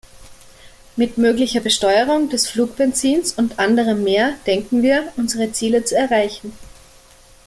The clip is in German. Mit möglicher Besteuerung des Flugbenzins und anderem mehr denken wir, unsere Ziele zu erreichen.